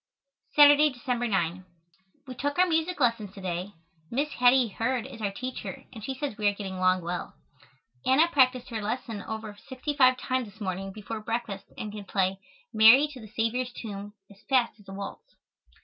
Saturday, December 9. We took our music lessons to day. Miss Hattie Heard is our teacher and she says we are getting along well. Anna practiced her lesson over sixty five times this morning before breakfast and can play "Mary to the Saviour's Tomb" as fast as a waltz.